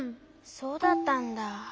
そうだったんだ。